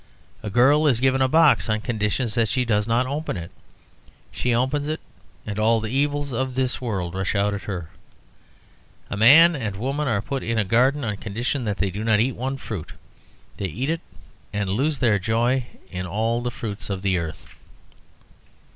A girl is given a box on condition she does not open it; she opens it, and all the evils of this world rush out at her. A man and woman are put in a garden on condition that they do not eat one fruit: they eat it, and lose their joy in all the fruits of the earth.